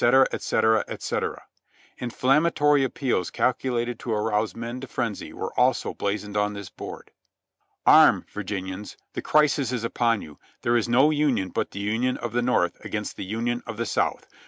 &c., &c. Inflammatory appeals calculated to arouse men to frenzy were also blazoned on this board. "Arm, Virginians. The Crisis is upon you. There is no Union but the Union of the North against the Union of the South.